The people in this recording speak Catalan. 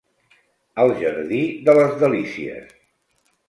El jardí de les delícies.